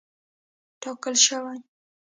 ټاکل شوې.